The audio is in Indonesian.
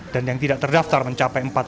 dan yang tidak terdaftar mencapai